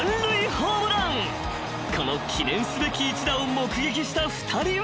［この記念すべき一打を目撃した２人は］